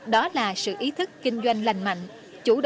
đó là sự ý thức kinh doanh lành mạnh